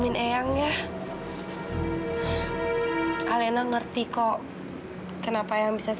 ibu yakin kamu keras saja sama undang undangmu